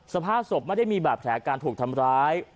สภาพศพไม่ได้มีบาดแผลการถูกทำร้าย